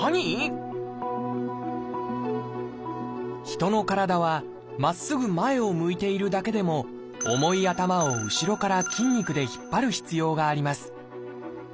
ヒトの体はまっすぐ前を向いているだけでも重い頭を後ろから筋肉で引っ張る必要があります。